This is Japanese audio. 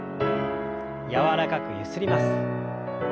柔らかくゆすります。